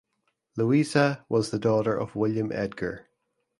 Louisa was the daughter of William Edgar.